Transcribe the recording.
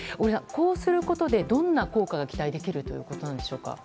こうすることでどんな効果が期待できるんでしょうか。